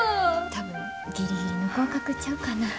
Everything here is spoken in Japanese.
多分ギリギリの合格ちゃうかな。